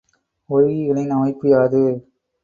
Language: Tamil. உருகிகளின் அமைப்பு யாது?